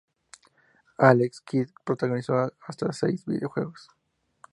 Alex Kidd protagonizó hasta seis videojuegos.